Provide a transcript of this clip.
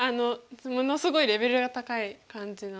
ものすごいレベルが高い感じの。